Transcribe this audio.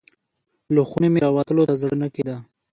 له خونې مې راوتلو ته زړه نه کیده.